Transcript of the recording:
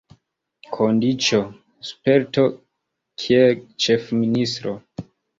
Kondiĉo: sperto kiel ĉefministro.